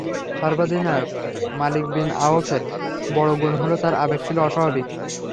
সর্বাধিনায়ক Malik bin আওফের বড় গুণ হল তার আবেগ ছিল অস্বাভাবিক।